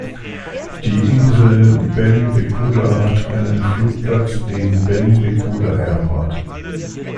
Die Insel Benbecula hat einen Flugplatz, den Benbecula Airport.